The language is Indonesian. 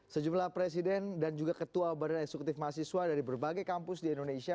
sejumlah presiden dan juga ketua badan eksekutif mahasiswa dari berbagai kampus di indonesia